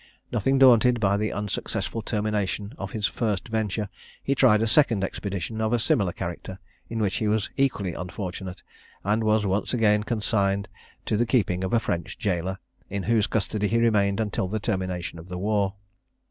Nothing daunted by the unsuccessful termination of his first venture, he tried a second expedition of a similar character, in which he was equally unfortunate, and was once again consigned to the keeping of a French jailor, in whose custody he remained until the termination of the war.